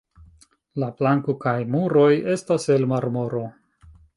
La planko kaj muroj estas el marmoro.